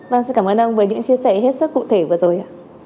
vâng xin cảm ơn ông với những chia sẻ hết sức cụ thể vừa rồi